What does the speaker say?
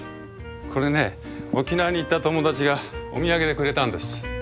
これね沖縄に行った友達がお土産でくれたんです。